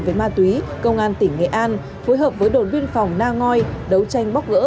với ma túy công an tỉnh nghệ an phối hợp với đồn biên phòng na ngoi đấu tranh bóc gỡ